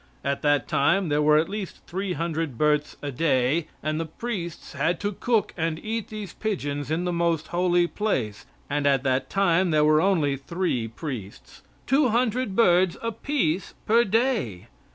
At that time there were at least three hundred births a day, and the priests had to cook and eat these pigeons in the most holy place; and at that time there were only three priests. Two hundred birds apiece per day!